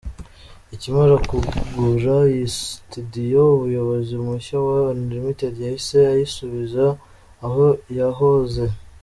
Akimara kugura iyi studio umuyobozi mushya wa Unlimited yahise ayisubiza aho yahoze.